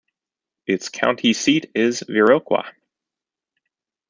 Its county seat is Viroqua.